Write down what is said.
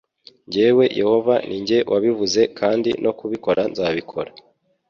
jyewe yehova ni jye wabivuze kandi no kubikora nzabikora